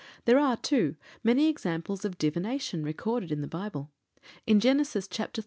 There are, too, many examples of divination recorded in the Bible. In Genesis, chapter xxx.